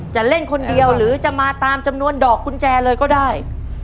จะเล่นคนเดียวหรือจะมาตามจำนวนดอกกุญแจเลยก็ได้